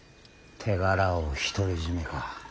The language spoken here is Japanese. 手柄を独り占めか。